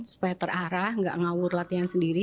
supaya terarah tidak mengawur latihan sendiri